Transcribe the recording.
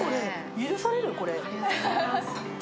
許されるこれ？